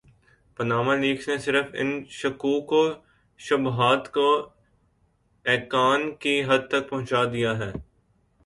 Panama leaks نے صرف ان شکوک وشبہات کو ایقان کی حد تک پہنچا دیا ہے۔